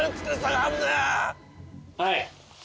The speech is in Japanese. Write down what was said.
はい。